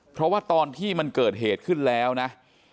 เพราะว่าตอนที่มันเกิดเหตุขึ้นแล้วนะ